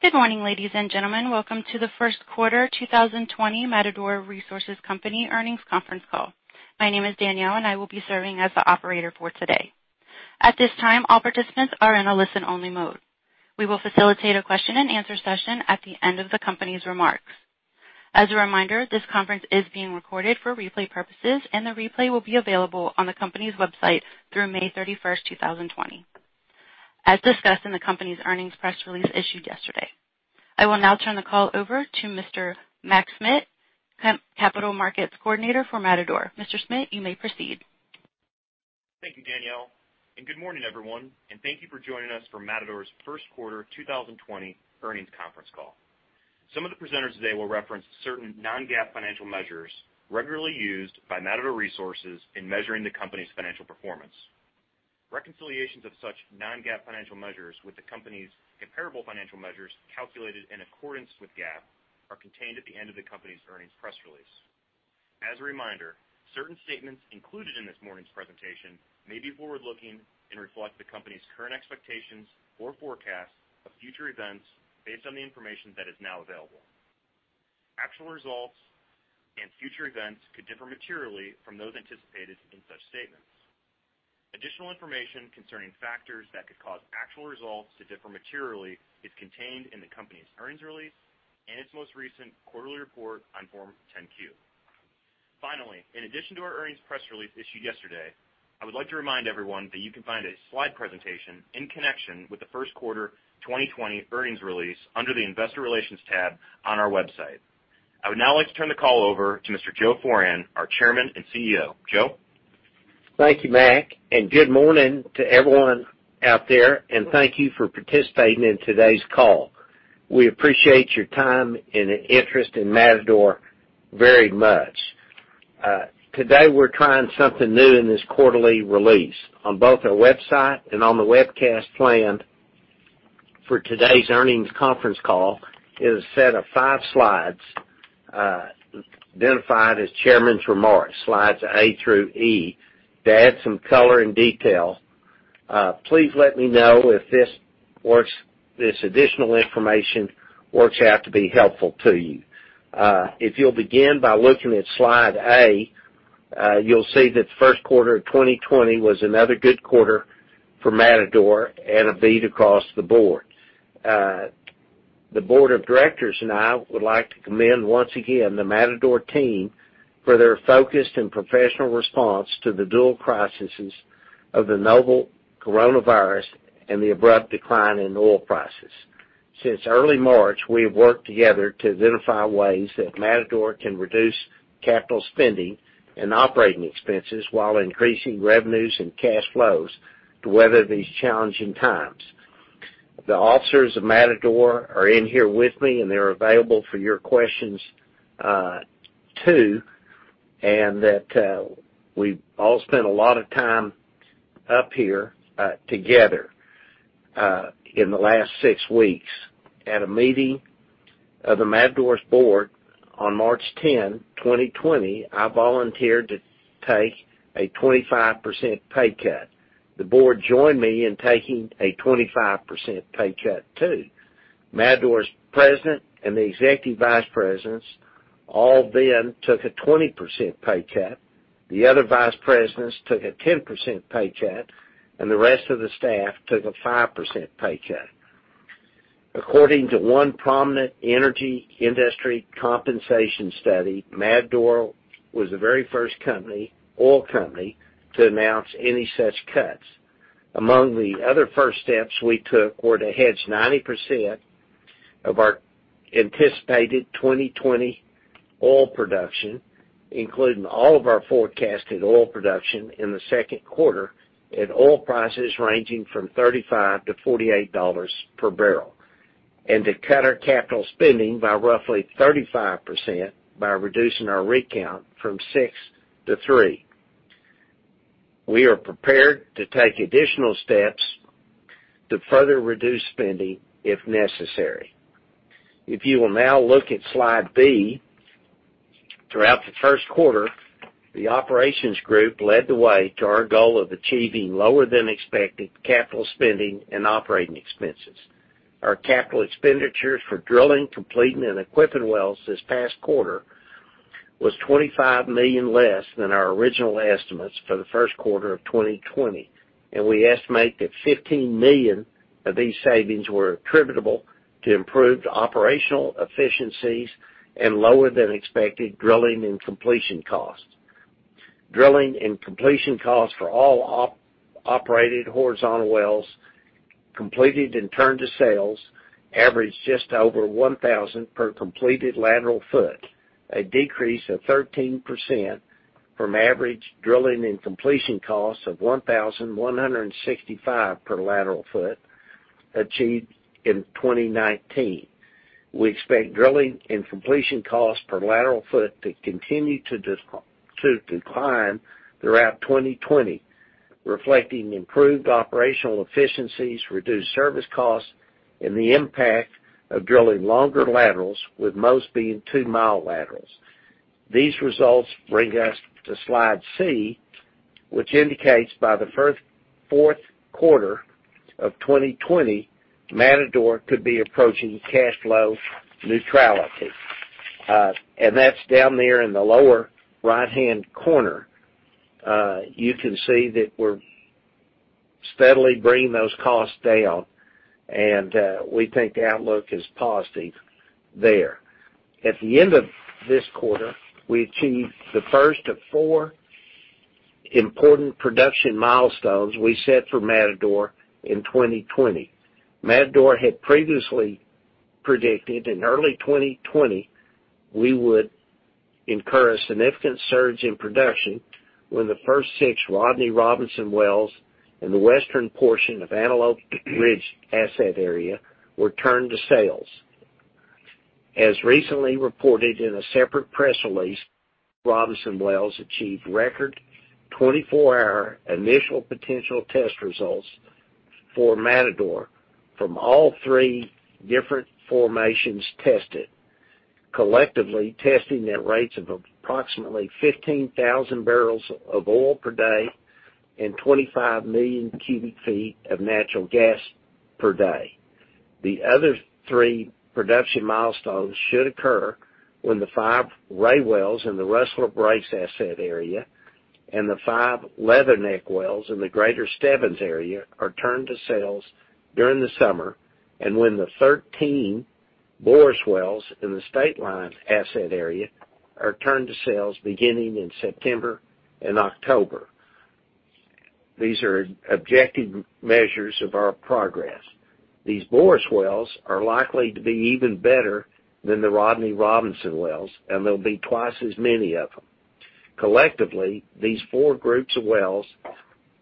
Good morning, ladies and gentlemen. Welcome to the first quarter 2020 Matador Resources Company earnings conference call. My name is Danielle, and I will be serving as the operator for today. At this time, all participants are in a listen-only mode. We will facilitate a question and answer session at the end of the company's remarks. As a reminder, this conference is being recorded for replay purposes, and the replay will be available on the company's website through May 31st 2020, as discussed in the company's earnings press release issued yesterday. I will now turn the call over to Mr. Mac Schmitz, Capital Markets Coordinator for Matador. Mr. Schmitz, you may proceed. Thank you, Danielle. Good morning, everyone, and thank you for joining us for Matador's first quarter 2020 earnings conference call. Some of the presenters today will reference certain non-GAAP financial measures regularly used by Matador Resources in measuring the company's financial performance. Reconciliations of such non-GAAP financial measures with the company's comparable financial measures calculated in accordance with GAAP are contained at the end of the company's earnings press release. As a reminder, certain statements included in this morning's presentation may be forward-looking and reflect the company's current expectations or forecasts of future events based on the information that is now available. Actual results and future events could differ materially from those anticipated in such statements. Additional information concerning factors that could cause actual results to differ materially is contained in the company's earnings release and its most recent quarterly report on Form 10-Q. Finally, in addition to our earnings press release issued yesterday, I would like to remind everyone that you can find a slide presentation in connection with the first quarter 2020 earnings release under the investor relations tab on our website. I would now like to turn the call over to Mr. Joe Foran, our Chairman and CEO. Joe? Thank you, Mac, and good morning to everyone out there, and thank you for participating in today's call. We appreciate your time and interest in Matador very much. Today we're trying something new in this quarterly release. On both our website and on the webcast planned for today's earnings conference call is a set of five slides, identified as Chairman's Remarks, slides A through E, to add some color and detail. Please let me know if this additional information works out to be helpful to you. If you'll begin by looking at slide A, you'll see that the first quarter of 2020 was another good quarter for Matador and a beat across the board. The board of directors and I would like to commend once again the Matador team for their focused and professional response to the dual crises of the novel coronavirus and the abrupt decline in oil prices. Since early March, we have worked together to identify ways that Matador can reduce capital spending and operating expenses while increasing revenues and cash flows to weather these challenging times. The officers of Matador are in here with me, and they're available for your questions too. We've all spent a lot of time up here, together, in the last six weeks. At a meeting of the Matador's board on March 10, 2020, I volunteered to take a 25% pay cut. The board joined me in taking a 25% pay cut, too. Matador's President and the Executive Vice Presidents all then took a 20% pay cut. The other Vice Presidents took a 10% pay cut, and the rest of the staff took a 5% pay cut. According to one prominent energy industry compensation study, Matador was the very first oil company to announce any such cuts. Among the other first steps we took were to hedge 90% of our anticipated 2020 oil production, including all of our forecasted oil production in the second quarter at oil prices ranging from $35-$48 per barrel. To cut our capital spending by roughly 35% by reducing our rig count from six to three. We are prepared to take additional steps to further reduce spending if necessary. If you will now look at slide B. Throughout the first quarter, the operations group led the way to our goal of achieving lower than expected capital spending and operating expenses. Our capital expenditures for drilling, completing, and equipping wells this past quarter was $25 million less than our original estimates for the first quarter of 2020, and we estimate that $15 million of these savings were attributable to improved operational efficiencies and lower than expected drilling and completion costs. Drilling and completion costs for all operated horizontal wells completed and turned to sales averaged just over $1,000 per completed lateral foot, a decrease of 13% from average drilling and completion costs of $1,165 per lateral foot achieved in 2019. We expect drilling and completion costs per lateral foot to continue to decline throughout 2020, reflecting improved operational efficiencies, reduced service costs, and the impact of drilling longer laterals, with most being two-mile laterals. These results bring us to slide C, which indicates by the fourth quarter of 2020, Matador could be approaching cash flow neutrality. That's down there in the lower right-hand corner. You can see that we're steadily bringing those costs down, and we think the outlook is positive there. At the end of this quarter, we achieved the first of four important production milestones we set for Matador in 2020. Matador had previously predicted in early 2020, we would incur a significant surge in production when the first six Rodney Robinson wells in the western portion of Antelope Ridge asset area were turned to sales. As recently reported in a separate press release, Robinson wells achieved record 24-hour initial potential test results for Matador from all three different formations tested, collectively testing at rates of approximately 15,000 barrels of oil per day and 25 million cubic feet of natural gas per day. The other three production milestones should occur when the five Ray wells in the Rustler Breaks asset area and the five Leatherneck wells in the Greater Stebbins area are turned to sales during the summer, and when the 13 Boros wells in the Stateline asset area are turned to sales beginning in September and October. These are objective measures of our progress. These Boros wells are likely to be even better than the Rodney Robinson wells, and there'll be twice as many of them. Collectively, these four groups of wells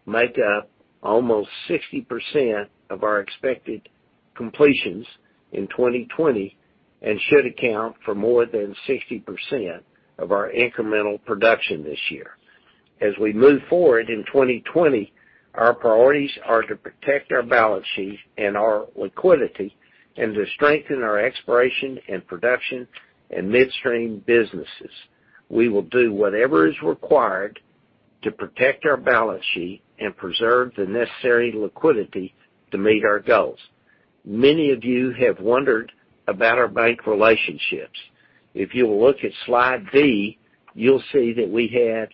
make up almost 60% of our expected completions in 2020 and should account for more than 60% of our incremental production this year. As we move forward in 2020, our priorities are to protect our balance sheet and our liquidity and to strengthen our exploration and production and midstream businesses. We will do whatever is required to protect our balance sheet and preserve the necessary liquidity to meet our goals. Many of you have wondered about our bank relationships. If you'll look at slide D, you'll see that we had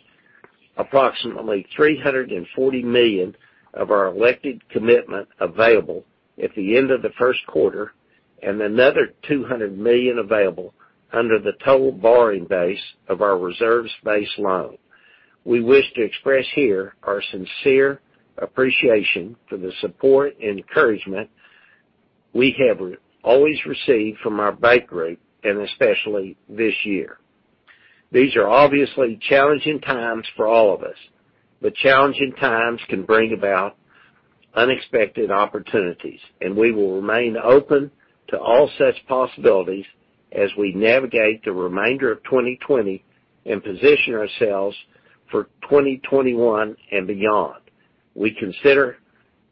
approximately $340 million of our elected commitment available at the end of the first quarter, and another $200 million available under the total borrowing base of our reserves-based loan. We wish to express here our sincere appreciation for the support and encouragement we have always received from our bank group, and especially this year. These are obviously challenging times for all of us, but challenging times can bring about unexpected opportunities, and we will remain open to all such possibilities as we navigate the remainder of 2020 and position ourselves for 2021 and beyond. We consider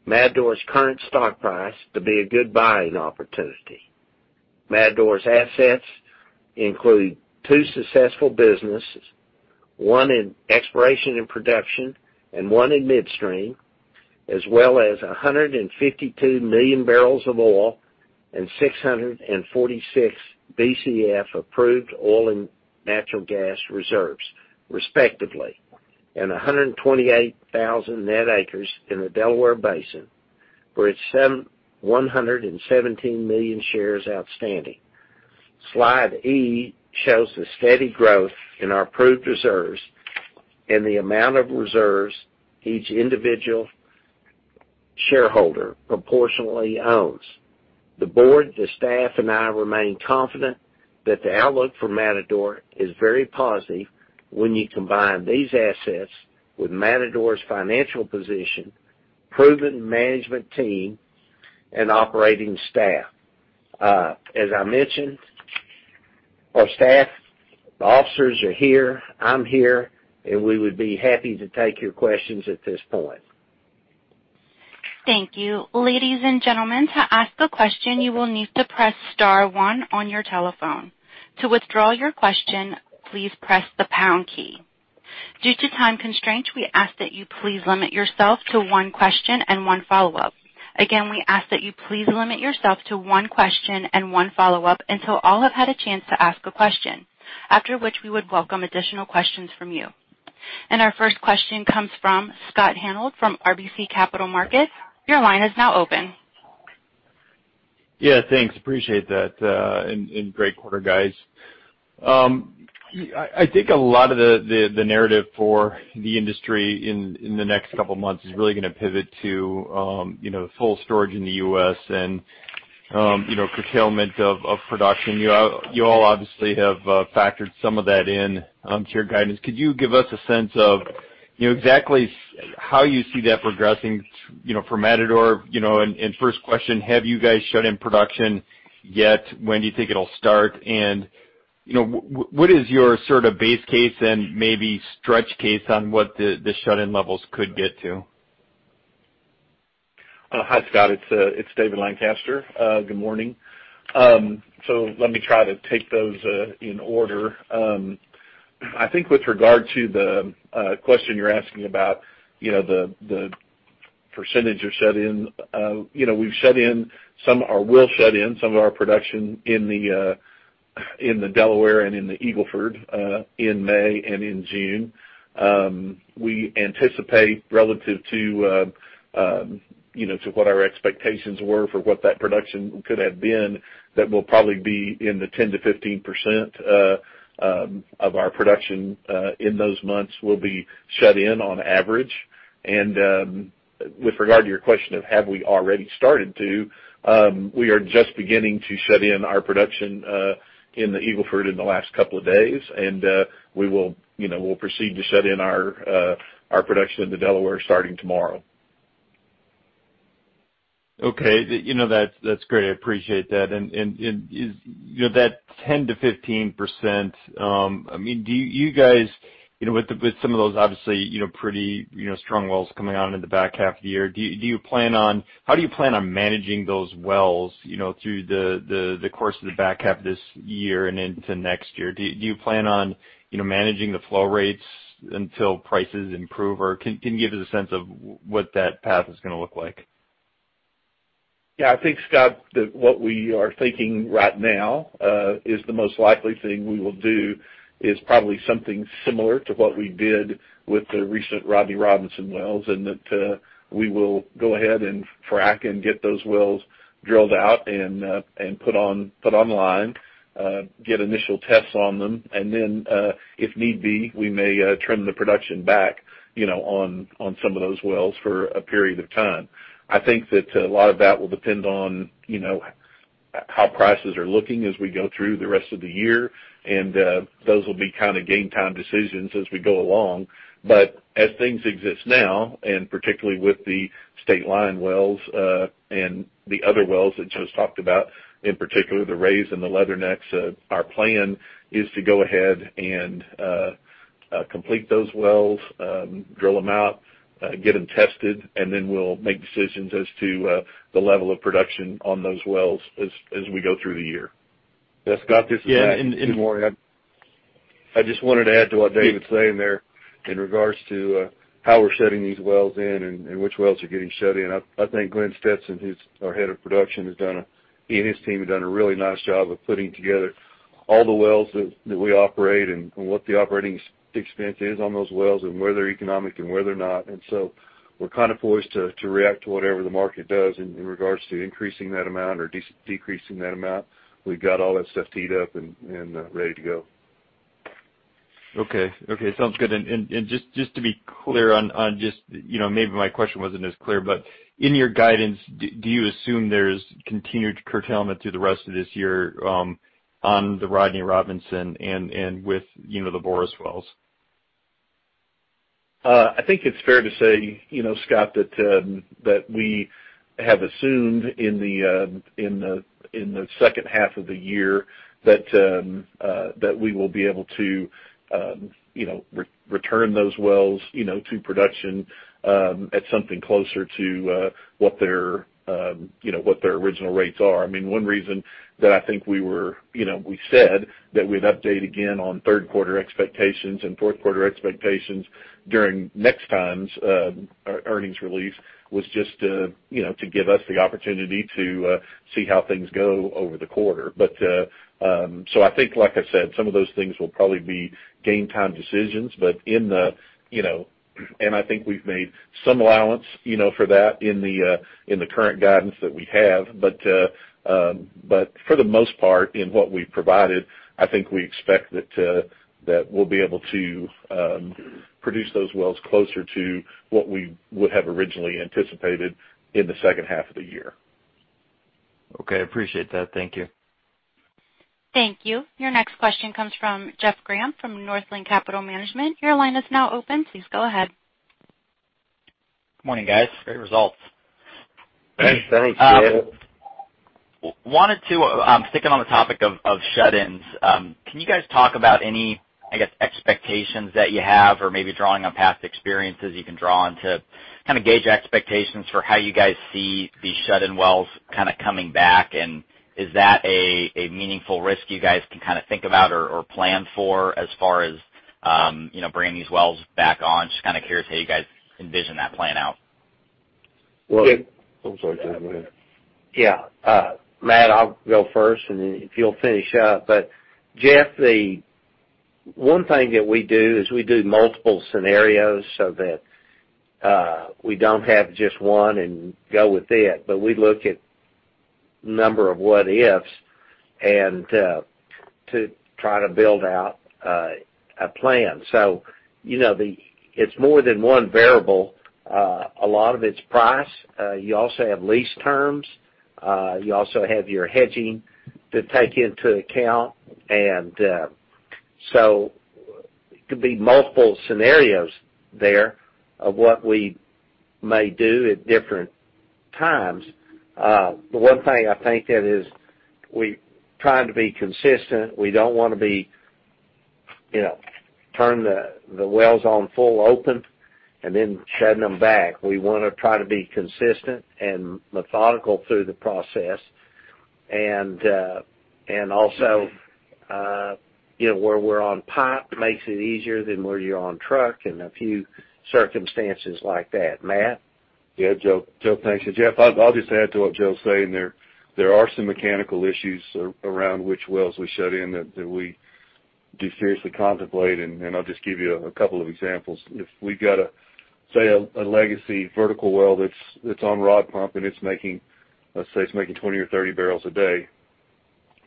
Matador's current stock price to be a good buying opportunity. Matador's assets include two successful businesses, one in exploration and production and one in midstream, as well as 152 million barrels of oil and 646 Bcf approved oil and natural gas reserves, respectively, and 128,000 net acres in the Delaware Basin for its 117 million shares outstanding. Slide E shows the steady growth in our approved reserves and the amount of reserves each individual shareholder proportionally owns. The board, the staff, and I remain confident that the outlook for Matador is very positive when you combine these assets with Matador's financial position, proven management team and operating staff. As I mentioned, our staff officers are here, I'm here, and we would be happy to take your questions at this point. Thank you. Ladies and gentlemen, to ask a question, you will need to press star one on your telephone. To withdraw your question, please press the pound key. Due to time constraints, we ask that you please limit yourself to one question and one follow-up. Again, we ask that you please limit yourself to one question and one follow-up until all have had a chance to ask a question. After which, we would welcome additional questions from you. Our first question comes from Scott Hanold from RBC Capital Markets. Your line is now open. Yeah, thanks. Appreciate that. Great quarter, guys. I think a lot of the narrative for the industry in the next couple of months is really going to pivot to full storage in the U.S. and curtailment of production. You all obviously have factored some of that in to your guidance. Could you give us a sense of exactly how you see that progressing for Matador? First question, have you guys shut in production yet? When do you think it'll start? What is your sort of base case and maybe stretch case on what the shut-in levels could get to? Hi, Scott. It's David Lancaster. Good morning. Let me try to take those in order. I think with regard to the question you're asking about the percentage of shut-in, we've shut in some, or will shut in some of our production in the Delaware and in the Eagle Ford in May and in June. We anticipate relative to what our expectations were for what that production could have been, that will probably be in the 10%-15% of our production in those months will be shut in on average. With regard to your question of have we already started to, we are just beginning to shut in our production in the Eagle Ford in the last couple of days. We'll proceed to shut in our production in the Delaware starting tomorrow. Okay. That's great. I appreciate that. That 10%-15%, do you guys, with some of those obviously pretty strong wells coming on in the back half of the year, how do you plan on managing those wells, through the course of the back half of this year and into next year? Do you plan on managing the flow rates until prices improve? Or can you give us a sense of what that path is going to look like? Yeah, I think, Scott, that what we are thinking right now is the most likely thing we will do is probably something similar to what we did with the recent Rodney Robinson wells, and that we will go ahead and frack and get those wells drilled out and put online, get initial tests on them, and then if need be, we may trim the production back on some of those wells for a period of time. I think that a lot of that will depend on how prices are looking as we go through the rest of the year. Those will be game time decisions as we go along. As things exist now, and particularly with the Stateline wells and the other wells that Joe's talked about, in particular, the Rays and the Leathernecks, our plan is to go ahead and complete those wells, drill them out, get them tested, and then we'll make decisions as to the level of production on those wells as we go through the year. Yes, Scott, this is Matt. Yeah. Good morning. I just wanted to add to what David's saying there in regards to how we're shutting these wells in and which wells are getting shut in. I think Glenn Stetson who's our head of production, he and his team have done a really nice job of putting together all the wells that we operate, and what the operating expense is on those wells, and whether economic and whether or not. We're poised to react to whatever the market does in regards to increasing that amount or decreasing that amount. We've got all that stuff teed up and ready to go. Okay. Sounds good. Just to be clear, maybe my question wasn't as clear, but in your guidance, do you assume there's continued curtailment through the rest of this year on the Rodney Robinson and with the Boros wells? I think it's fair to say, Scott, that we have assumed in the second half of the year that we will be able to return those wells to production at something closer to what their original rates are. One reason that I think we said that we'd update again on third quarter expectations and fourth quarter expectations during next time's earnings release was just to give us the opportunity to see how things go over the quarter. I think, like I said, some of those things will probably be game time decisions, and I think we've made some allowance for that in the current guidance that we have. For the most part, in what we've provided, I think we expect that we'll be able to produce those wells closer to what we would have originally anticipated in the second half of the year. Okay. I appreciate that. Thank you. Thank you. Your next question comes from Jeff Grampp from Northland Capital Markets. Your line is now open. Please go ahead. Good morning, guys. Great results. Thanks. Thanks, Jeff. Wanted to stick on the topic of shut-ins. Can you guys talk about any, I guess, expectations that you have or maybe drawing on past experiences you can draw on to gauge your expectations for how you guys see these shut-in wells coming back? Is that a meaningful risk you guys can think about or plan for as far as bringing these wells back on? Just curious how you guys envision that plan out. Oh, sorry, Joe, go ahead. Yeah. Matt, I'll go first, and then if you'll finish up. Jeff, one thing that we do is we do multiple scenarios so that we don't have just one and go with it, but we look at number of what ifs and to try to build out a plan. It's more than one variable. A lot of it's price. You also have lease terms. You also have your hedging to take into account. It could be multiple scenarios there of what we may do at different times. The one thing I think that is we trying to be consistent. We don't want to be, you know. Turn the wells on full open and then shutting them back. We want to try to be consistent and methodical through the process. Also where we're on pipe makes it easier than where you're on truck and a few circumstances like that. Matt? Yeah, Joe, thanks. Jeff, I'll just add to what Joe's saying there. There are some mechanical issues around which wells we shut in that we do seriously contemplate, and I'll just give you a couple of examples. If we've got, say, a legacy vertical well that's on rod pump, and let's say it's making 20 or 30 barrels a day,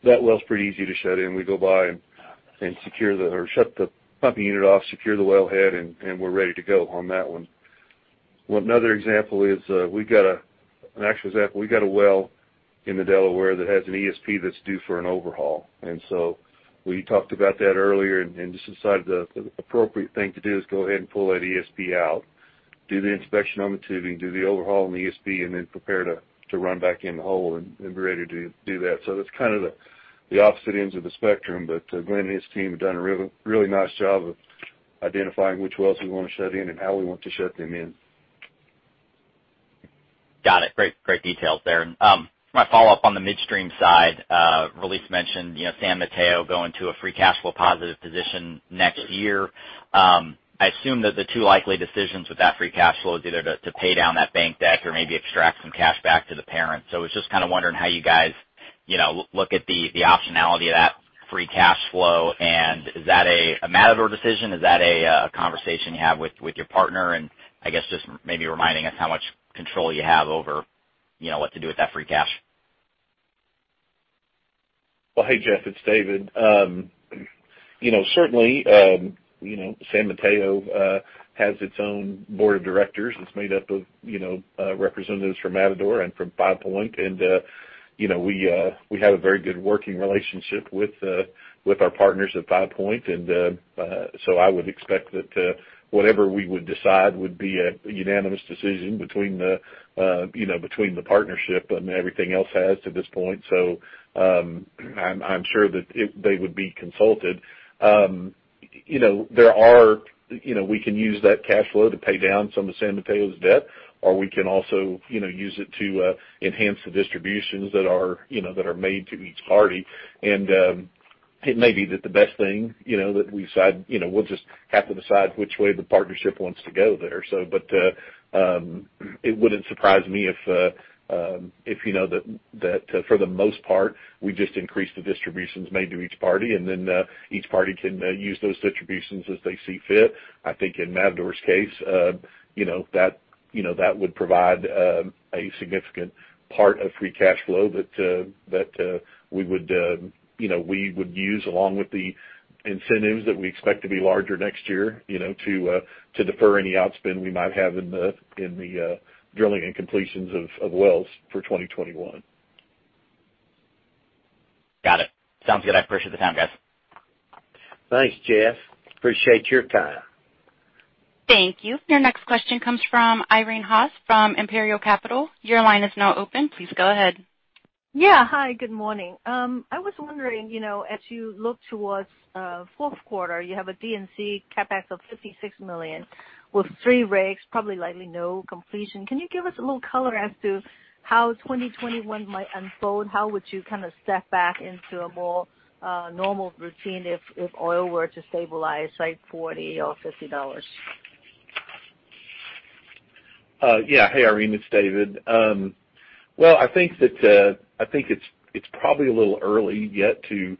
that well's pretty easy to shut in. We go by and shut the pumping unit off, secure the wellhead, and we're ready to go on that one. An actual example, we got a well in the Delaware that has an ESP that's due for an overhaul. We talked about that earlier and just decided the appropriate thing to do is go ahead and pull that ESP out, do the inspection on the tubing, do the overhaul on the ESP, and then prepare to run back in the hole and be ready to do that. That's kind of the opposite ends of the spectrum, but Glenn and his team have done a really nice job of identifying which wells we want to shut in and how we want to shut them in. Got it. Great details there. My follow-up on the midstream side, Release mentioned San Mateo going to a free cash flow positive position next year. I assume that the two likely decisions with that free cash flow is either to pay down that bank debt or maybe extract some cash back to the parent. I was just kind of wondering how you guys look at the optionality of that free cash flow. Is that a Matador decision? Is that a conversation you have with your partner? I guess just maybe reminding us how much control you have over what to do with that free cash. Hey, Jeff, it's David. Certainly, San Mateo has its own board of directors that's made up of representatives from Matador and from Five Point, and we have a very good working relationship with our partners at Five Point, and so I would expect that whatever we would decide would be a unanimous decision between the partnership and everything else has to this point. I'm sure that they would be consulted. We can use that cash flow to pay down some of San Mateo's debt, or we can also use it to enhance the distributions that are made to each party. It may be that the best thing that we decide, we'll just have to decide which way the partnership wants to go there. It wouldn't surprise me if for the most part, we just increase the distributions made to each party, and then each party can use those distributions as they see fit. I think in Matador's case that would provide a significant part of free cash flow that we would use along with the incentives that we expect to be larger next year, to defer any outspend we might have in the drilling and completions of wells for 2021. Got it. Sounds good. I appreciate the time, guys. Thanks, Jeff. Appreciate your time. Thank you. Your next question comes from Irene Haas from Imperial Capital. Your line is now open. Please go ahead. Yeah. Hi, good morning. I was wondering, as you look towards fourth quarter, you have a D&C CapEx of $56 million with three rigs, probably likely no completion. Can you give us a little color as to how 2021 might unfold? How would you kind of step back into a more normal routine if oil were to stabilize, say, $40 or $50? Yeah. Hey, Irene, it's David. Well, I think it's probably a little early yet to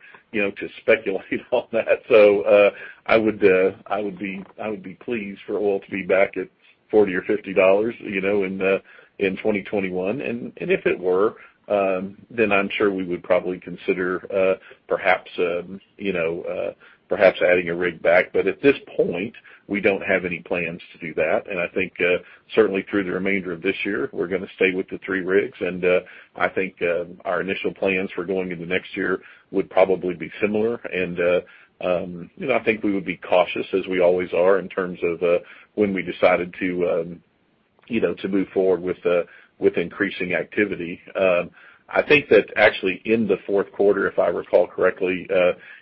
speculate on that. I would be pleased for oil to be back at $40 or $50 in 2021. If it were, then I'm sure we would probably consider perhaps adding a rig back. At this point, we don't have any plans to do that, and I think certainly through the remainder of this year, we're going to stay with the three rigs. I think our initial plans for going into next year would probably be similar, and I think we would be cautious, as we always are, in terms of when we decided to move forward with increasing activity. I think that actually in the fourth quarter, if I recall correctly,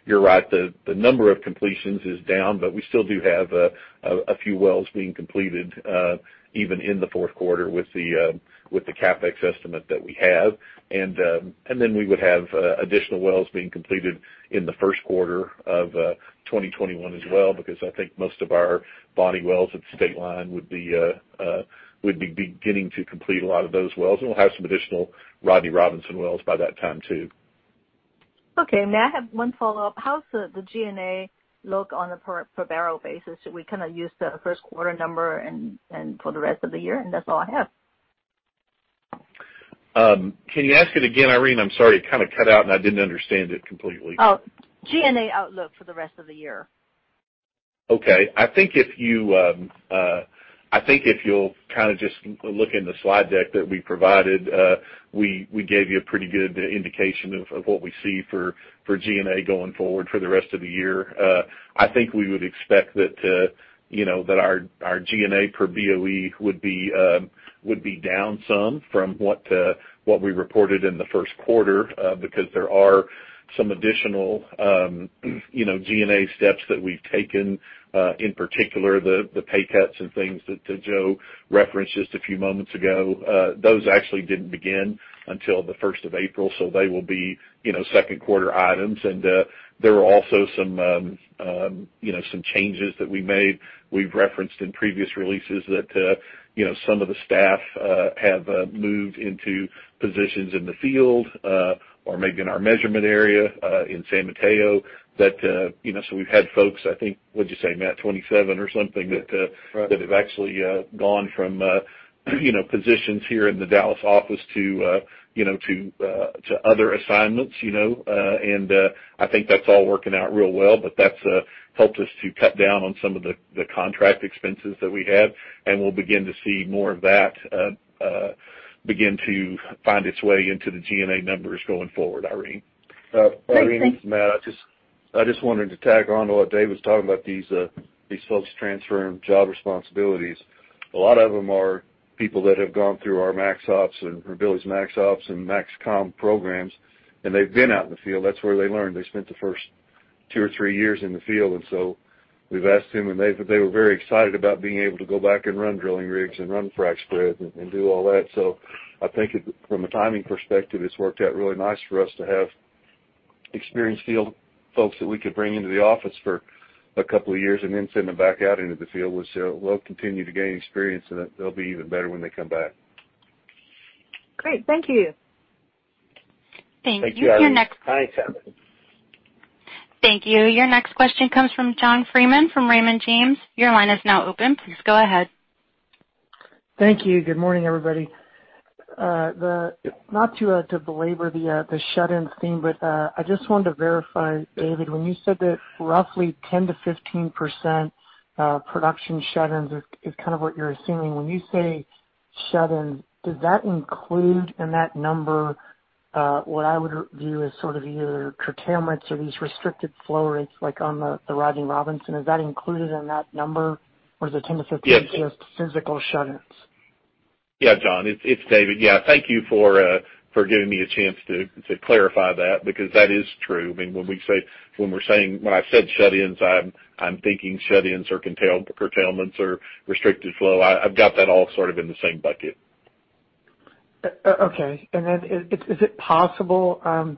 you're right, the number of completions is down, but we still do have a few wells being completed even in the fourth quarter with the CapEx estimate that we have. Then we would have additional wells being completed in the first quarter of 2021 as well, because I think most of our Boros wells at Stateline would be beginning to complete a lot of those wells. We'll have some additional Rodney Robinson wells by that time, too. Okay. May I have one follow-up? How's the G&A look on a per barrel basis? Should we kind of use the first quarter number and for the rest of the year? That's all I have. Can you ask it again, Irene? I'm sorry. It kind of cut out, and I didn't understand it completely. Oh, G&A outlook for the rest of the year. Okay. I think if you'll just look in the slide deck that we provided, we gave you a pretty good indication of what we see for G&A going forward for the rest of the year. I think we would expect that our G&A per BOE would be down some from what we reported in the first quarter because there are some additional G&A steps that we've taken, in particular the pay cuts and things that Joe referenced just a few moments ago. Those actually didn't begin until the 1st of April, so they will be second-quarter items. There are also some changes that we made. We've referenced in previous releases that some of the staff have moved into positions in the field, or maybe in our measurement area, in San Mateo. We've had folks, I think, what'd you say, Matt, 27 or something. Right that have actually gone from positions here in the Dallas office to other assignments. I think that's all working out real well, but that's helped us to cut down on some of the contract expenses that we had, and we'll begin to see more of that begin to find its way into the G&A numbers going forward, Irene. Great, thanks. Irene, it's Matt. I just wanted to tag on to what Dave was talking about, these folks transferring job responsibilities. A lot of them are people that have gone through our MaxOps and Billy's MaxOps and MAXCOM programs, and they've been out in the field. That's where they learned. They spent the first two or three years in the field. We've asked them, and they were very excited about being able to go back and run drilling rigs and run frack spreads and do all that. I think from a timing perspective, it's worked out really nice for us to have experienced field folks that we could bring into the office for a couple of years and then send them back out into the field, which they'll continue to gain experience, and they'll be even better when they come back. Great. Thank you. Thank you, Irene. Anytime. Thank you. Your next question comes from John Freeman from Raymond James. Your line is now open. Please go ahead. Thank you. Good morning, everybody. Not to belabor the shut-ins thing, but I just wanted to verify, David, when you said that roughly 10%-15% production shut-ins is kind of what you're assuming. When you say shut-ins, does that include in that number what I would view as sort of either curtailments or these restricted flow rates like on the Rodney Robinson? Is that included in that number, or is the 10-15 just- Yes physical shut-ins? John, it's David. Thank you for giving me a chance to clarify that, because that is true. When I said shut-ins, I'm thinking shut-ins or curtailments or restricted flow. I've got that all sort of in the same bucket. Okay.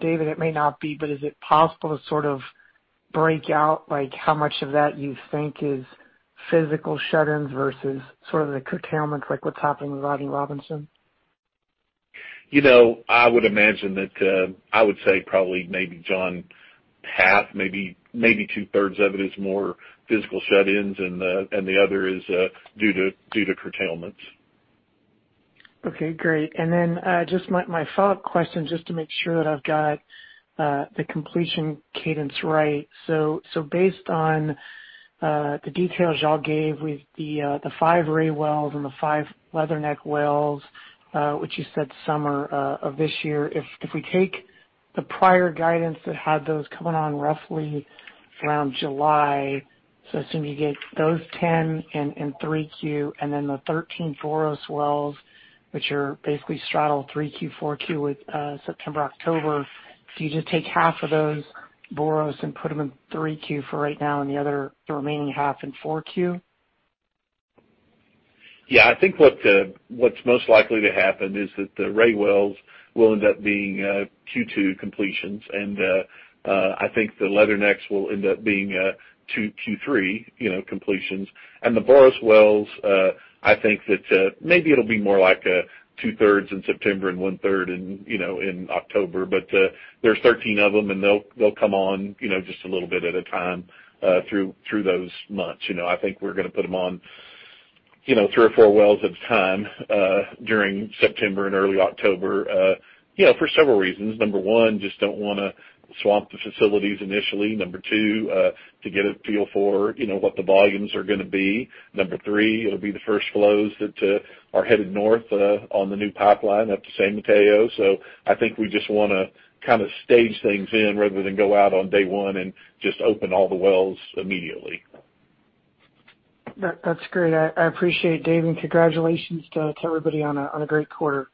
David, it may not be, but is it possible to sort of break out how much of that you think is physical shut-ins versus sort of the curtailment, like what's happening with Rodney Robinson? I would imagine that I would say probably maybe, John, half, maybe two-thirds of it is more physical shut-ins and the other is due to curtailments. Okay, great. Just my follow-up question, just to make sure that I've got the completion cadence right. Based on the details y'all gave with the five Ray wells and the five Leatherneck wells, which you said summer of this year. If we take the prior guidance that had those coming on roughly around July, I assume you get those 10 in 3Q, and then the 13 Boros wells, which are basically straddle 3Q, 4Q with September, October. Do you just take half of those Boros and put them in 3Q for right now and the other remaining half in 4Q? Yeah. I think what's most likely to happen is that the Ray wells will end up being Q2 completions. I think the Leathernecks will end up being two Q3 completions. The Boros wells, I think that maybe it'll be more like two-thirds in September and one-third in October. There's 13 of them, and they'll come on just a little bit at a time through those months. I think we're going to put them on three or four wells at a time during September and early October for several reasons. Number one, just don't want to swamp the facilities initially. Number two, to get a feel for what the volumes are gonna be. Number three, it'll be the first flows that are headed north on the new pipeline up to San Mateo. I think we just want to kind of stage things in rather than go out on day one and just open all the wells immediately. That's great. I appreciate it, David. Congratulations to everybody on a great quarter.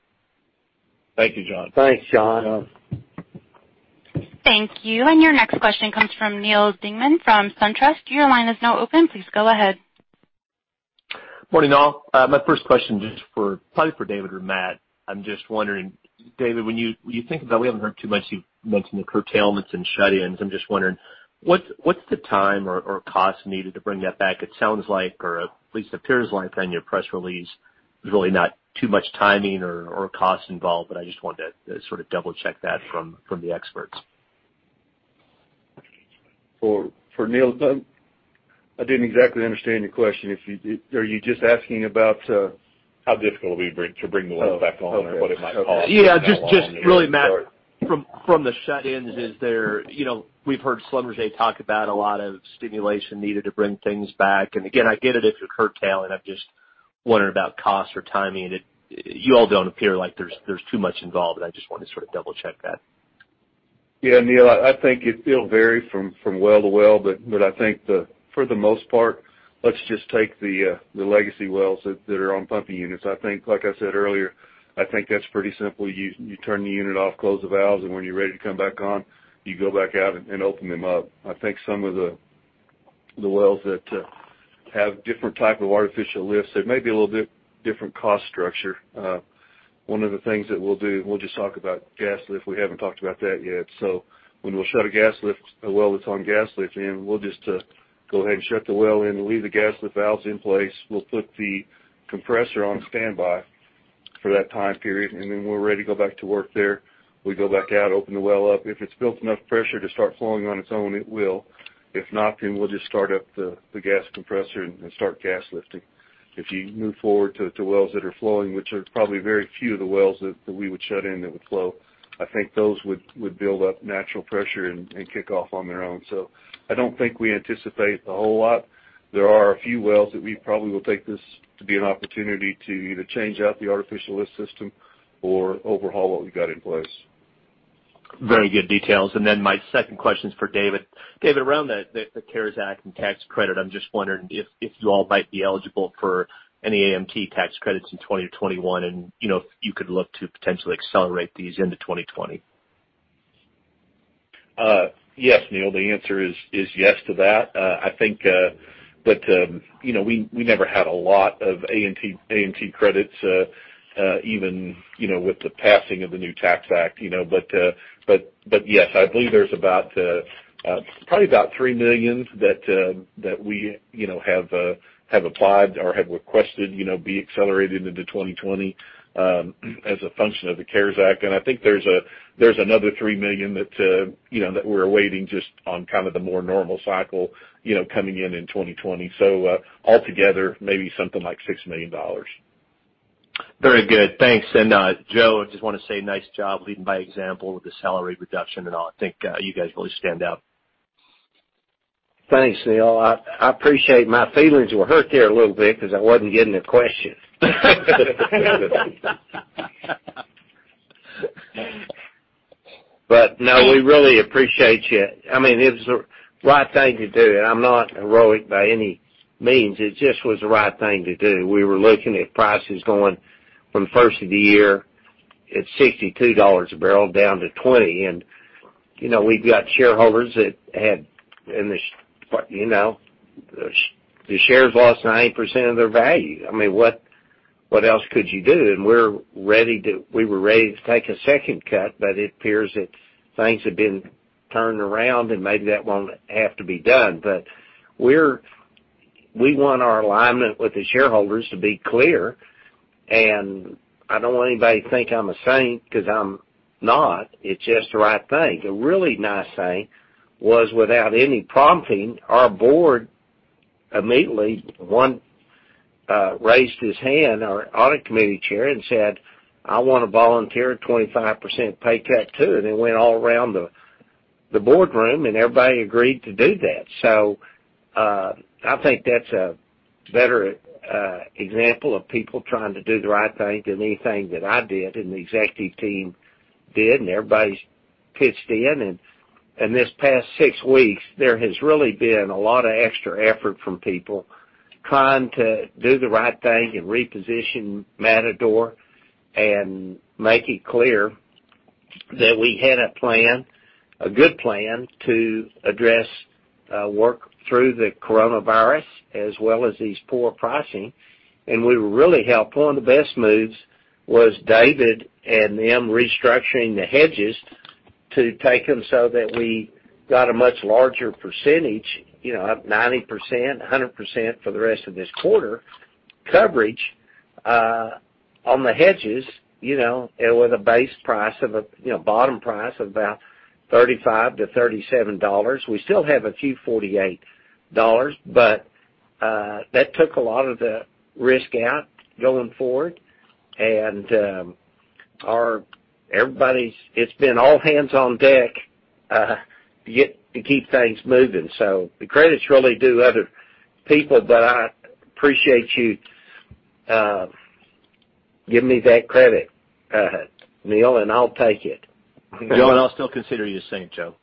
Thank you, John. Thanks, John. Thank you. Your next question comes from Neal Dingmann from SunTrust. Your line is now open. Please go ahead. Morning, all. My first question, probably for David or Matt. I'm just wondering, David, when you think about we haven't heard too much, you've mentioned the curtailments and shut-ins. I'm just wondering, what's the time or cost needed to bring that back? It sounds like or at least appears like on your press release, there's really not too much timing or cost involved, but I just wanted to sort of double-check that from the experts. For Neal, I didn't exactly understand your question. Are you just asking about how difficult it will be to bring the wells back on or what it might cost? Yeah. Just really, Matt, from the shut-ins, we've heard Schlumberger talk about a lot of stimulation needed to bring things back. Again, I get it if you're curtailing. I'm just wondering about cost or timing. You all don't appear like there's too much involved, and I just want to sort of double-check that. Yeah, Neal, I think it'll vary from well to well, but I think for the most part. Let's just take the legacy wells that are on pumping units. Like I said earlier, I think that's pretty simple. You turn the unit off, close the valves, and when you're ready to come back on, you go back out and open them up. I think some of the wells that have different type of artificial lifts, there may be a little bit different cost structure. One of the things that we'll do, we'll just talk about gas lift, we haven't talked about that yet. When we'll shut a well that's on gas lifting, we'll just go ahead and shut the well in and leave the gas lift valves in place. We'll put the compressor on standby for that time period, and then when we're ready to go back to work there, we go back out, open the well up. If it's built enough pressure to start flowing on its own, it will. If not, then we'll just start up the gas compressor and start gas lifting. If you move forward to the wells that are flowing, which are probably very few of the wells that we would shut in that would flow, I think those would build up natural pressure and kick off on their own. I don't think we anticipate a whole lot. There are a few wells that we probably will take this to be an opportunity to either change out the artificial lift system or overhaul what we've got in place. Very good details. Then my second question is for David. David, around the CARES Act and tax credit, I'm just wondering if you all might be eligible for any AMT tax credits in 2021, and if you could look to potentially accelerate these into 2020. Yes, Neal, the answer is yes to that. We never had a lot of AMT credits, even with the passing of the new tax act. Yes, I believe there's probably about $3 million that we have applied or have requested be accelerated into 2020 as a function of the CARES Act. I think there's another $3 million that we're awaiting just on kind of the more normal cycle coming in in 2020. Altogether, maybe something like $6 million. Very good. Thanks. Joe, I just want to say nice job leading by example with the salary reduction and all. I think you guys really stand out. Thanks, Neal. I appreciate. My feelings were hurt there a little bit because I wasn't getting a question. No, we really appreciate you. It was the right thing to do. I'm not heroic by any means. It just was the right thing to do. We were looking at prices going from the first of the year at $62 a barrel down to $20. We've got shareholders that the shares lost 90% of their value. What else could you do? We were ready to take a second cut. It appears that things have been turned around. Maybe that won't have to be done. We want our alignment with the shareholders to be clear. I don't want anybody to think I'm a saint because I'm not. It's just the right thing. The really nice thing was, without any prompting, our board immediately, one raised his hand, our audit committee chair, and said, "I want to volunteer a 25% pay cut, too." It went all around the boardroom, and everybody agreed to do that. I think that's a better example of people trying to do the right thing than anything that I did and the executive team did, and everybody's pitched in. This past six weeks, there has really been a lot of extra effort from people trying to do the right thing and reposition Matador and make it clear that we had a plan, a good plan to address work through the coronavirus as well as these poor pricing, and we were really helped. One of the best moves was David and them restructuring the hedges to take them so that we got a much larger percentage, up 90%, 100% for the rest of this quarter coverage on the hedges, and with a bottom price of about $35-$37. We still have a few $48, but that took a lot of the risk out going forward. It's been all hands on deck to keep things moving. The credits really do other people, but I appreciate you giving me that credit, Neal, and I'll take it. Joe, and I'll still consider you a saint, Joe.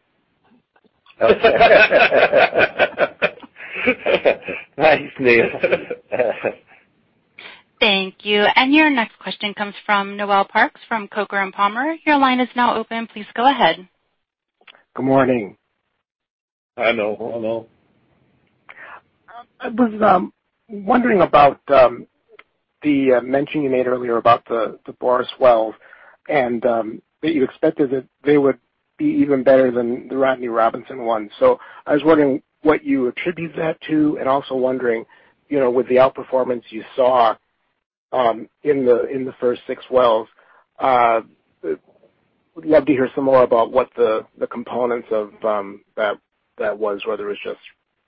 Thanks, Neal. Thank you. Your next question comes from Noel Parks from Coker & Palmer. Your line is now open. Please go ahead. Good morning. Hi, Noel. I was wondering about the mention you made earlier about the Boros wells, and that you expected that they would be even better than the Rodney Robinson one. I was wondering what you attribute that to, and also wondering, with the outperformance you saw in the first six wells, would love to hear some more about what the components of that was, whether it's just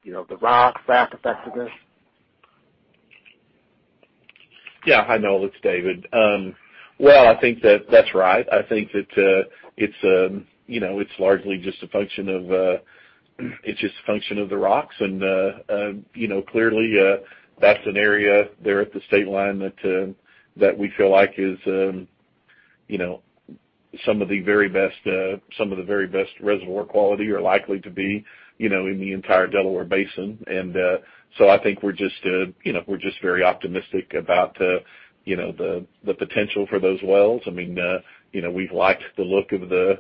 the rock effectiveness. Yeah. Hi, Noel, it's David. Well, I think that's right. I think that it's largely just a function of the rocks and clearly, that's an area there at the Stateline that we feel like is some of the very best reservoir quality are likely to be in the entire Delaware Basin. I think we're just very optimistic about the potential for those wells. We've liked the look of the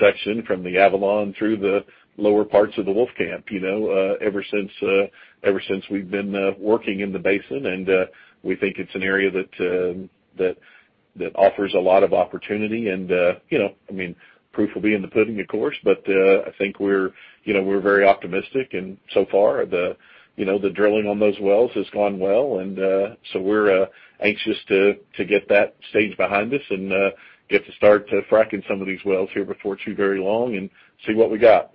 section from the Avalon through the lower parts of the Wolfcamp ever since we've been working in the basin. We think it's an area that offers a lot of opportunity. Proof will be in the pudding, of course, but I think we're very optimistic. So far, the drilling on those wells has gone well, and so we're anxious to get that stage behind us and get to start fracking some of these wells here before too very long and see what we got.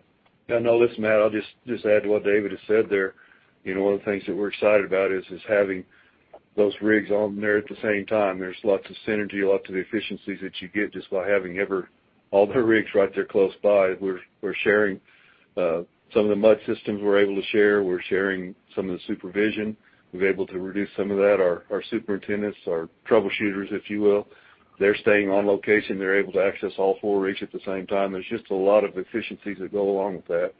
Noel, this is Matt, I'll just add to what David has said there. One of the things that we're excited about is having those rigs on there at the same time. There's lots of synergy, lots of efficiencies that you get just by having all the rigs right there close by. We're sharing some of the mud systems we're able to share. We're sharing some of the supervision. We're able to reduce some of that. Our superintendents, our troubleshooters, if you will, they're staying on location. They're able to access all four rigs at the same time. There's just a lot of efficiencies that go along with that.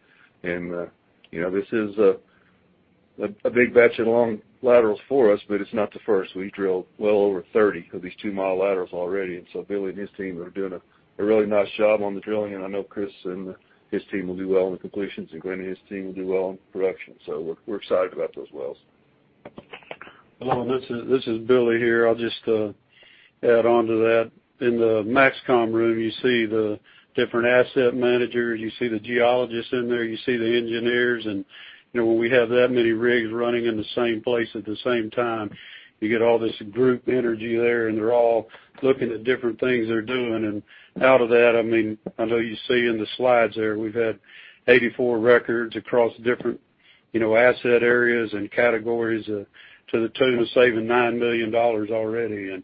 This is a big batch of long laterals for us, but it's not the first. We drilled well over 30 of these two-mile laterals already. Billy and his team are doing a really nice job on the drilling. I know Chris and his team will do well in the completions. Glenn and his team will do well in production. We're excited about those wells. Hello, this is Billy here. I'll just add on to that. In the MAXCOM room, you see the different asset managers, you see the geologists in there, you see the engineers. When we have that many rigs running in the same place at the same time, you get all this group energy there, and they're all looking at different things they're doing. Out of that, I know you see in the slides there, we've had 84 records across different asset areas and categories to the tune of saving $9 million already.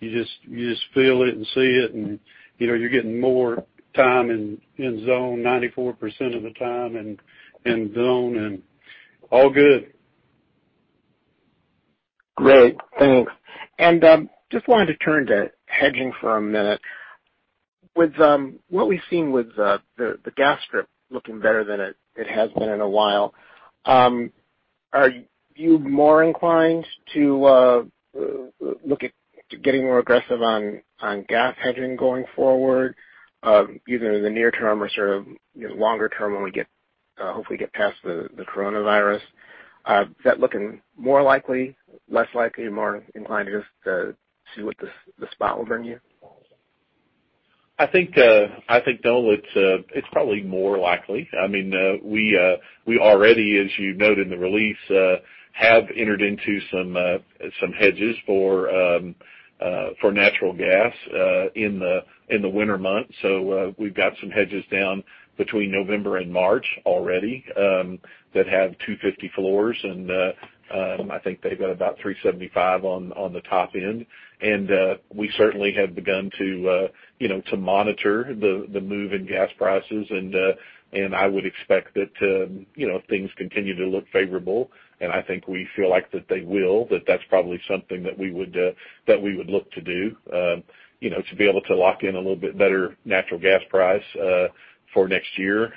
You just feel it and see it, and you're getting more time in zone, 94% of the time in zone, and all good. Great. Thanks. Just wanted to turn to hedging for a minute. With what we've seen with the gas strip looking better than it has been in a while, are you more inclined to look at getting more aggressive on gas hedging going forward, either in the near term or sort of longer term when we hopefully get past the coronavirus? Is that looking more likely, less likely? More inclined to just see what the spot will bring you? I think, Noel, it's probably more likely. We already, as you note in the release, have entered into some hedges for natural gas in the winter months. We've got some hedges down between November and March already that have $250 floors, and I think they've got about $375 on the top end. We certainly have begun to monitor the move in gas prices, and I would expect that if things continue to look favorable, and I think we feel like that they will, that that's probably something that we would look to do. To be able to lock in a little bit better natural gas price for next year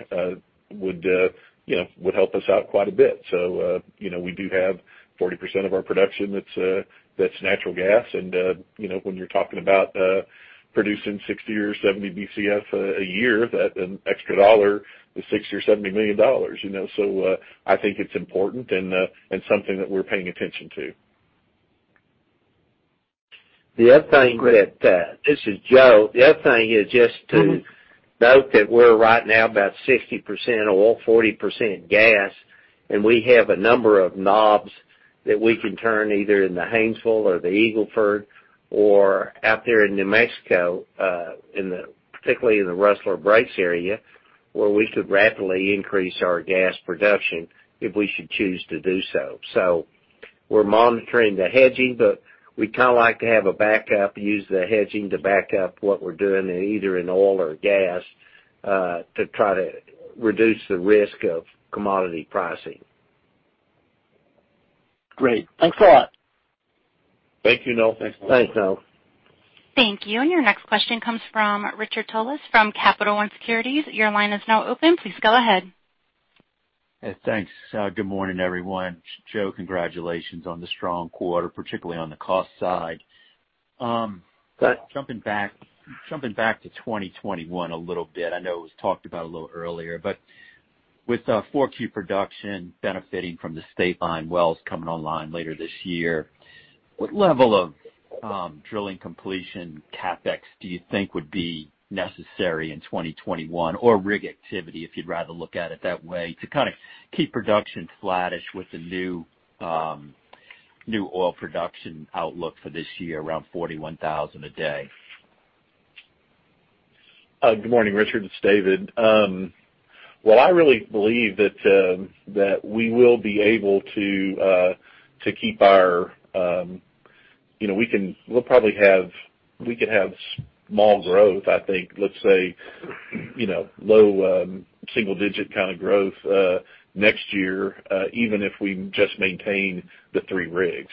would help us out quite a bit. We do have 40% of our production that's natural gas, and when you're talking about producing 60 or 70 Bcf a year, that extra $1 is $60 million or $70 million. I think it's important and something that we're paying attention to. This is Joe. The other thing is just to note that we're right now about 60% oil, 40% gas, and we have a number of knobs that we can turn either in the Haynesville or the Eagle Ford or out there in New Mexico, particularly in the Rustler Breaks area, where we could rapidly increase our gas production if we should choose to do so. We're monitoring the hedging, but we kind of like to have a backup, use the hedging to back up what we're doing in either in oil or gas to try to reduce the risk of commodity pricing. Great. Thanks a lot. Thank you, Noel. Thanks, Noel. Thank you. Your next question comes from Richard Tullis from Capital One Securities. Your line is now open. Please go ahead. Thanks. Good morning, everyone. Joe, congratulations on the strong quarter, particularly on the cost side. Good. Jumping back to 2021 a little bit, I know it was talked about a little earlier, with 4Q production benefiting from the Stateline wells coming online later this year, what level of drilling completion CapEx do you think would be necessary in 2021, or rig activity, if you'd rather look at it that way, to kind of keep production flattish with the new oil production outlook for this year, around 41,000 a day? Good morning, Richard. It's David. Well, I really believe that we could have small growth, I think, let's say low single-digit kind of growth next year, even if we just maintain the three rigs.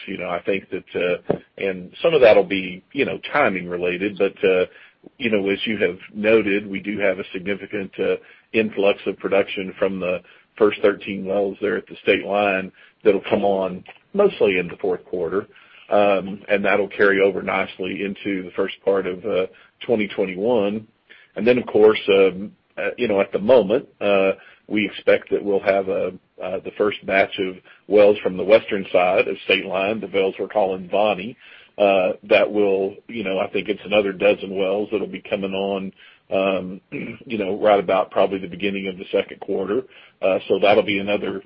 Some of that'll be timing related. As you have noted, we do have a significant influx of production from the first 13 wells there at the Stateline that'll come on mostly in the fourth quarter, and that'll carry over nicely into the first part of 2021. Of course, at the moment, we expect that we'll have the first batch of wells from the western side of Stateline, the wells we're calling Bonnie. I think it's another dozen wells that'll be coming on right about probably the beginning of the second quarter. That'll be another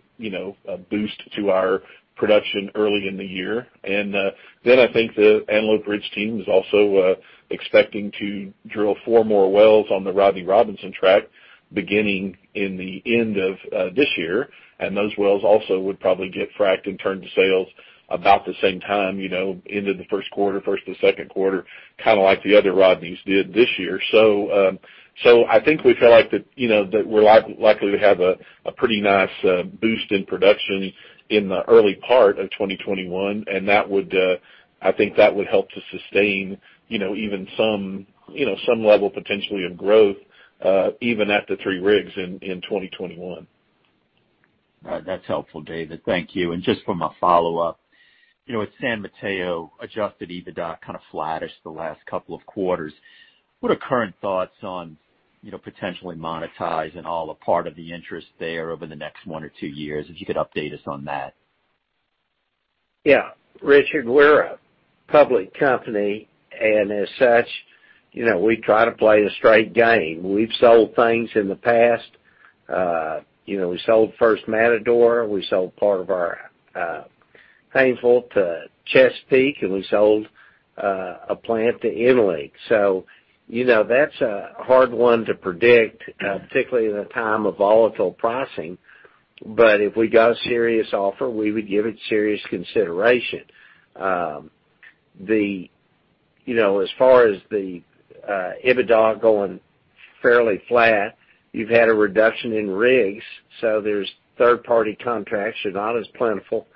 boost to our production early in the year. I think the Antelope Ridge team is also expecting to drill four more wells on the Rodney Robinson tract beginning in the end of this year. Those wells also would probably get fracked and turned to sales about the same time, end of the first quarter, first of the second quarter, kind of like the other Rodneys did this year. I think we feel like that we're likely to have a pretty nice boost in production in the early part of 2021. I think that would help to sustain even some level potentially of growth, even at the three rigs in 2021. All right. That's helpful, David. Thank you. Just for my follow-up, with San Mateo adjusted EBITDA kind of flattish the last couple of quarters, what are current thoughts on potentially monetizing all or part of the interest there over the next one or two years? If you could update us on that. Richard, we're a public company, as such, we try to play a straight game. We've sold things in the past. We sold First Matador, we sold part of our rainfall to Chesapeake, we sold a plant to EnLink. That's a hard one to predict, particularly in a time of volatile pricing. If we got a serious offer, we would give it serious consideration. As far as the EBITDA going fairly flat, you've had a reduction in rigs, there's third party contracts are not as plentiful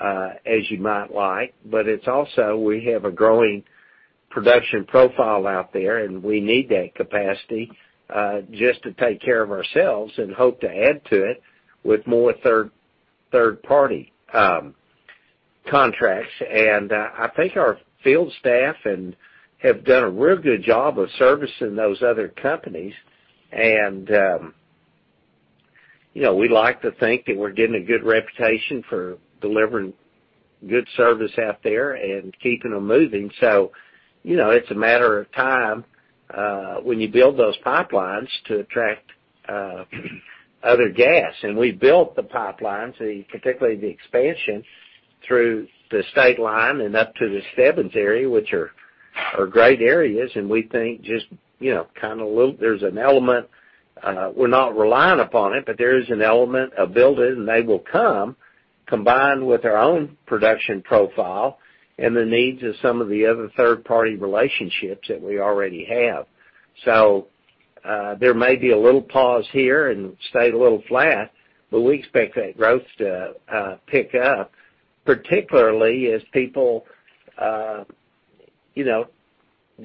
as you might like. It's also, we have a growing production profile out there, we need that capacity, just to take care of ourselves hope to add to it with more third-party contracts. I think our field staff have done a real good job of servicing those other companies. We like to think that we're getting a good reputation for delivering good service out there and keeping them moving. It's a matter of time, when you build those pipelines to attract other gas. We built the pipelines, particularly the expansion through the Stateline and up to the Stebbins area, which are great areas. We think there's an element, we're not reliant upon it, but there is an element of build it and they will come, combined with our own production profile and the needs of some of the other third-party relationships that we already have. There may be a little pause here and stay a little flat, but we expect that growth to pick up, particularly as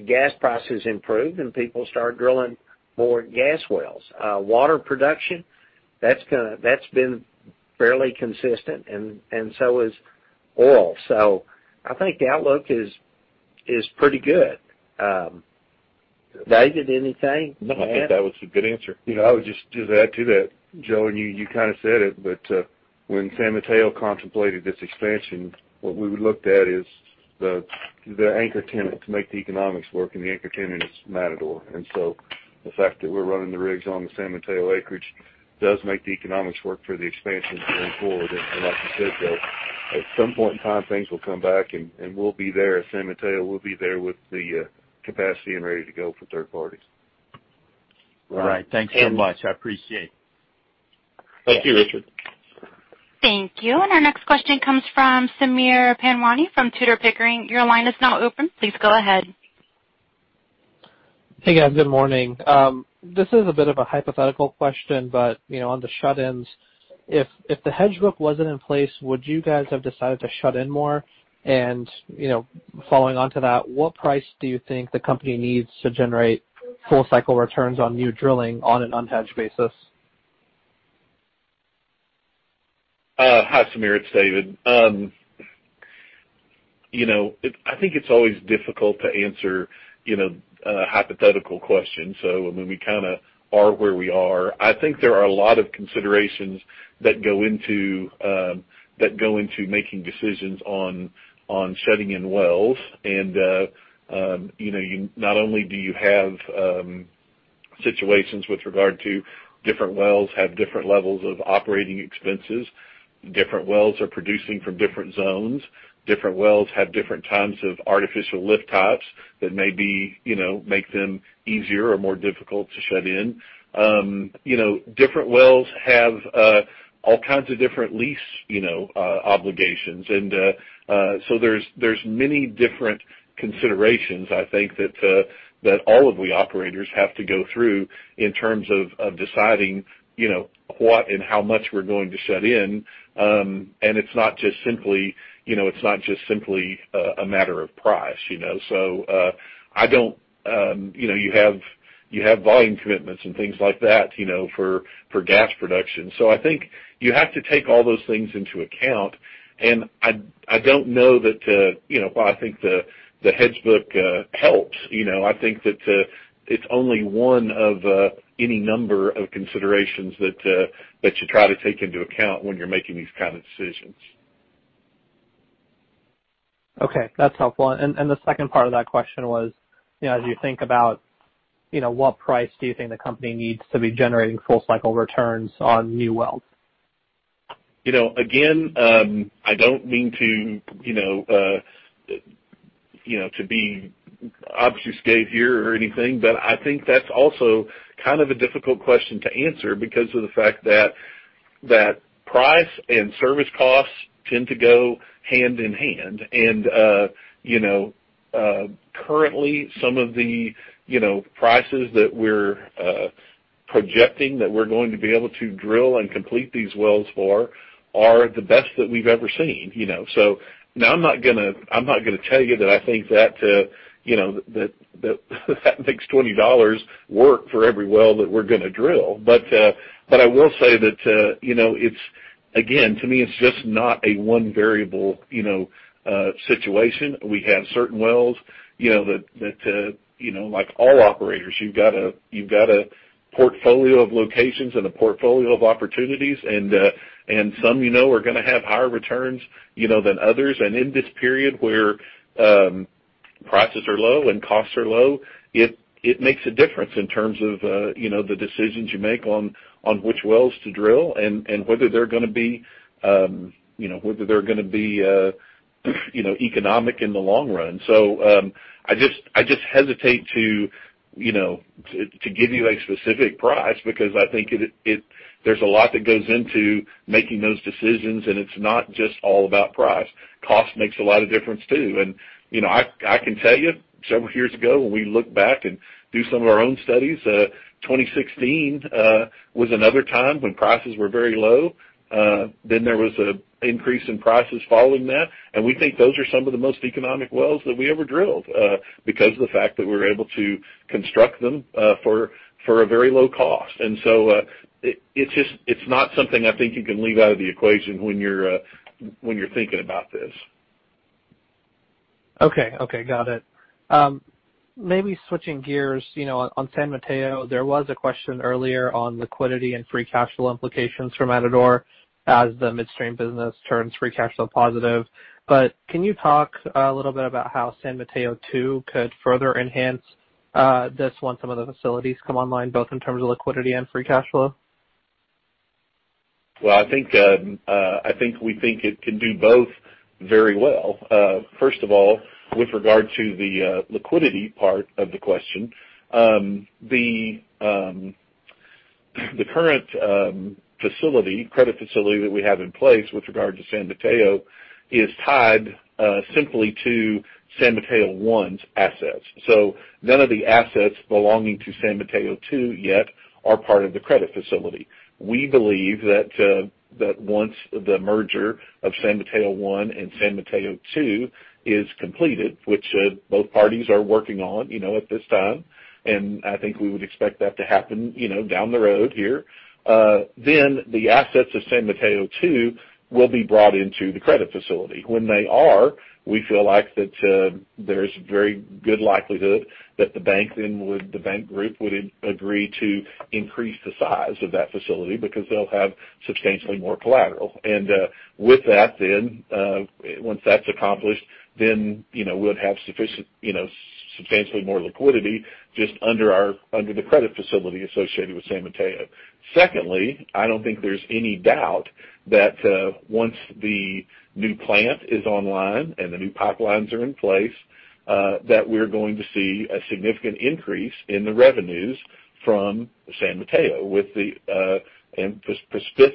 gas prices improve and people start drilling more gas wells. Water production, that's been fairly consistent, and so is oil. I think the outlook is pretty good. David, anything to add? No, I think that was a good answer. I would just add to that, Joe. You kind of said it, but when San Mateo contemplated this expansion, what we looked at is the anchor tenant to make the economics work, and the anchor tenant is Matador. The fact that we're running the rigs on the San Mateo acreage does make the economics work for the expansion going forward. Like you said, Joe, at some point in time, things will come back, and we'll be there. San Mateo will be there with the capacity and ready to go for third parties. All right. Thanks so much. I appreciate it. Thank you. Thank you, Richard. Thank you. Our next question comes from Sameer Panjwani from Tudor, Pickering. Your line is now open. Please go ahead. Hey, guys. Good morning. This is a bit of a hypothetical question, but on the shut-ins, if the hedge book wasn't in place, would you guys have decided to shut in more? Following onto that, what price do you think the company needs to generate full cycle returns on new drilling on an unhedged basis? Hi, Sameer. It's David. I think it's always difficult to answer a hypothetical question. We are where we are. I think there are a lot of considerations that go into making decisions on shutting in wells. Not only do you have situations with regard to different wells have different levels of operating expenses, different wells are producing from different zones, different wells have different types of artificial lift types that maybe make them easier or more difficult to shut in. Different wells have all kinds of different lease obligations. There's many different considerations, I think, that all of we operators have to go through in terms of deciding what and how much we're going to shut in. It's not just simply a matter of price. You have volume commitments and things like that for gas production. I think you have to take all those things into account, and I don't know that I think the hedge book helps. I think that it's only one of any number of considerations that you try to take into account when you're making these kind of decisions. Okay, that's helpful. The second part of that question was, as you think about what price do you think the company needs to be generating full-cycle returns on new wells? Again, I don't mean to be obfuscate here or anything, but I think that's also a difficult question to answer because of the fact that price and service costs tend to go hand in hand. Currently, some of the prices that we're projecting that we're going to be able to drill and complete these wells for are the best that we've ever seen. Now I'm not gonna tell you that I think that makes $20 work for every well that we're gonna drill. I will say that, again, to me, it's just not a one variable situation. We have certain wells that, like all operators, you've got a portfolio of locations and a portfolio of opportunities and some you know are going to have higher returns than others. In this period where prices are low and costs are low, it makes a difference in terms of the decisions you make on which wells to drill and whether they're gonna be economic in the long run. I just hesitate to give you a specific price because I think there's a lot that goes into making those decisions, and it's not just all about price. Cost makes a lot of difference too. I can tell you several years ago when we look back and do some of our own studies, 2016 was another time when prices were very low. There was an increase in prices following that. We think those are some of the most economic wells that we ever drilled because of the fact that we were able to construct them for a very low cost. It's not something I think you can leave out of the equation when you're thinking about this. Okay. Got it. Maybe switching gears, on San Mateo, there was a question earlier on liquidity and free cash flow implications from Matador as the midstream business turns free cash flow positive. Can you talk a little bit about how San Mateo II could further enhance this once some of the facilities come online, both in terms of liquidity and free cash flow? I think we think it can do both very well. First of all, with regard to the liquidity part of the question, the current credit facility that we have in place with regard to San Mateo is tied simply to San Mateo I's assets. None of the assets belonging to San Mateo II yet are part of the credit facility. We believe that once the merger of San Mateo I and San Mateo II is completed, which both parties are working on at this time, and I think we would expect that to happen down the road here. The assets of San Mateo II will be brought into the credit facility. When they are, we feel like that there's very good likelihood that the bank group would agree to increase the size of that facility because they'll have substantially more collateral. With that then, once that's accomplished, then we'll have substantially more liquidity just under the credit facility associated with San Mateo. Secondly, I don't think there's any doubt that once the new plant is online and the new pipelines are in place, that we're going to see a significant increase in the revenues from San Mateo with the-- and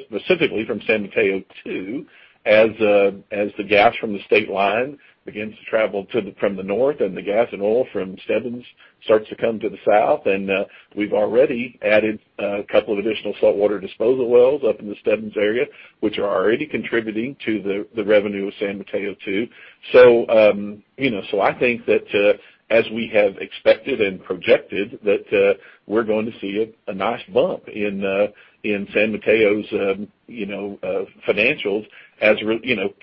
specifically from San Mateo II as the gas from the Stateline begins to travel from the north and the gas and oil from Stebbins starts to come to the south. We've already added a couple of additional saltwater disposal wells up in the Stebbins area, which are already contributing to the revenue of San Mateo II. I think that as we have expected and projected that we're going to see a nice bump in San Mateo's financials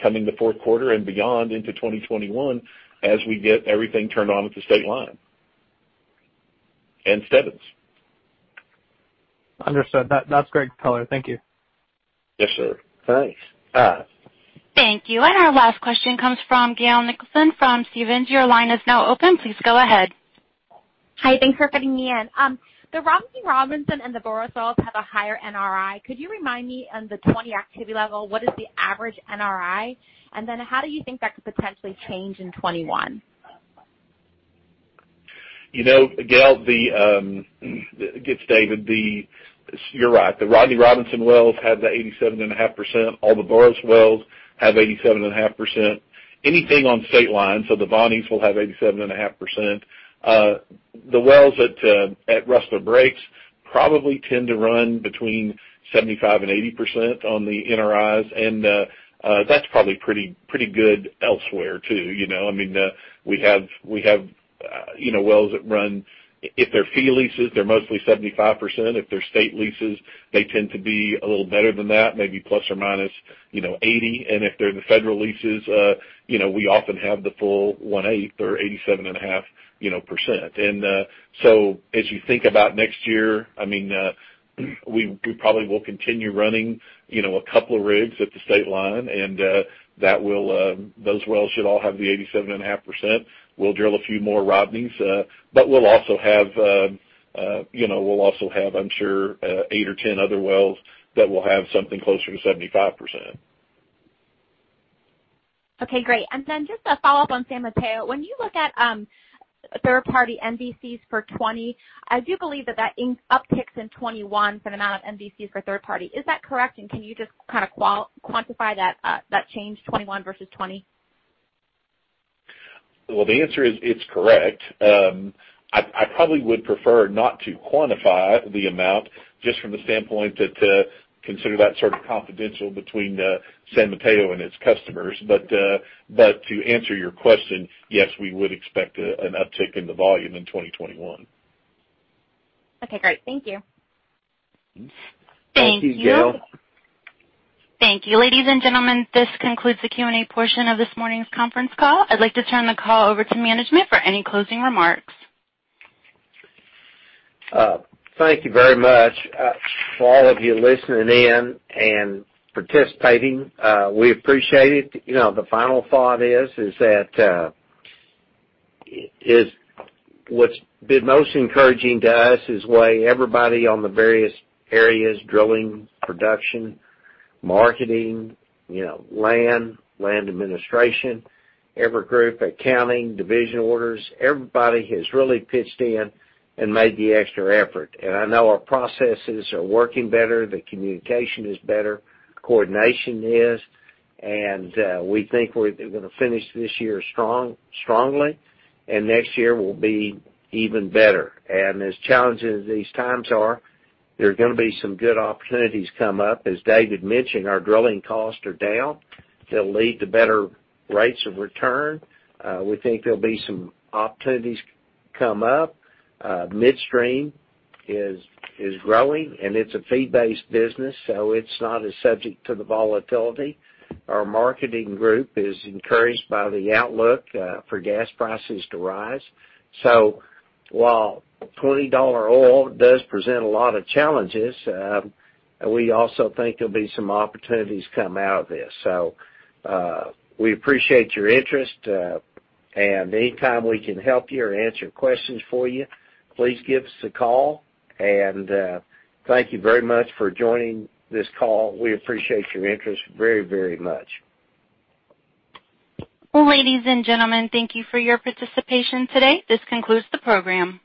coming the fourth quarter and beyond into 2021 as we get everything turned on at the Stateline and Stebbins. Understood. That's great color. Thank you. Yes, sir. Thanks. Thank you. Our last question comes from Gail Nicholson from Stephens. Your line is now open. Please go ahead. Hi. Thanks for fitting me in. The Rodney Robinson and the Boros wells have a higher NRI. Could you remind me on the 2020 activity level, what is the average NRI? How do you think that could potentially change in 2021? Gail, this is David. You're right. The Rodney Robinson wells have the 87.5%. All the Boros wells have 87.5%. Anything on Stateline, the Bonnies will have 87.5%. The wells at Rustler Breaks probably tend to run between 75% and 80% on the NRIs, and that's probably pretty good elsewhere too. We have wells that run. If they're fee leases, they're mostly 75%. If they're state leases, they tend to be a little better than that, maybe plus or minus 80%. If they're the federal leases, we often have the full one-eighth or 87.5%. As you think about next year, we probably will continue running a couple of rigs at the Stateline, and those wells should all have the 87.5%. We'll drill a few more Rodneys, but we'll also have, I'm sure, eight or 10 other wells that will have something closer to 75%. Okay, great. Just a follow-up on San Mateo. When you look at third-party MVCs for 2020, I do believe that that upticks in 2021 for the amount of MVCs for third party. Is that correct? Can you just quantify that change 2021 versus 2020? Well, the answer is it's correct. I probably would prefer not to quantify the amount just from the standpoint that consider that sort of confidential between San Mateo and its customers. To answer your question, yes, we would expect an uptick in the volume in 2021. Okay, great. Thank you. Thank you. Thank you. Ladies and gentlemen, this concludes the Q&A portion of this morning's conference call. I'd like to turn the call over to management for any closing remarks. Thank you very much. For all of you listening in and participating, we appreciate it. The final thought is that what's been most encouraging to us is the way everybody on the various areas, drilling, production, marketing, land administration, every group, accounting, division orders, everybody has really pitched in and made the extra effort. I know our processes are working better, the communication is better, coordination is, and we think we're going to finish this year strongly, and next year will be even better. As challenging as these times are, there are going to be some good opportunities come up. As David mentioned, our drilling costs are down. They'll lead to better rates of return. We think there'll be some opportunities come up. Midstream is growing, and it's a fee-based business, so it's not as subject to the volatility. Our marketing group is encouraged by the outlook for gas prices to rise. While $20 oil does present a lot of challenges, we also think there'll be some opportunities come out of this. We appreciate your interest, and anytime we can help you or answer questions for you, please give us a call, and thank you very much for joining this call. We appreciate your interest very much. Well, ladies and gentlemen, thank you for your participation today. This concludes the program.